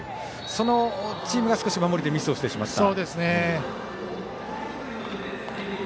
そのチームが少し守りでミスしてしまった。